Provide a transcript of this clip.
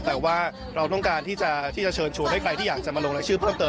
แต่ว่าเราต้องการที่จะเชิญชวนให้ใครที่อยากจะมาลงรายชื่อเพิ่มเติม